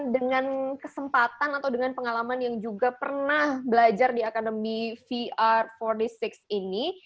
dengan kesempatan atau dengan pengalaman yang juga pernah belajar di akademi vr empat puluh enam ini